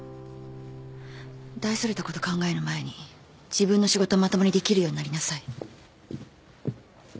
大それたこと考える前に自分の仕事まともにできるようになりなさい。